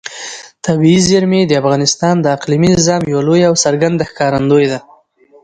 طبیعي زیرمې د افغانستان د اقلیمي نظام یوه لویه او څرګنده ښکارندوی ده.